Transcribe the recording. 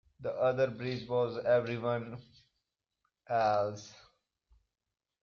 The other bridge was for everyone else.